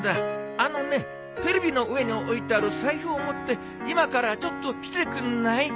あのねテレビの上に置いてある財布を持って今からちょっと来てくんない？